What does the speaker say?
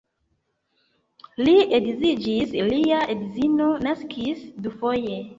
Li edziĝis, lia edzino naskis dufoje.